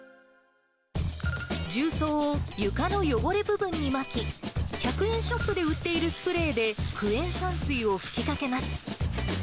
重曹を床の汚れ部分にまき、１００円ショップで売っているスプレーでクエン酸水を吹きかけます。